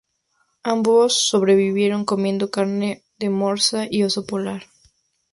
Ambos sobrevivieron comiendo carne de morsa y oso polar.